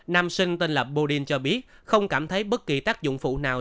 nam sinh tên là bodin cho biết không cảm thấy bất kỳ tác dụng phụ nào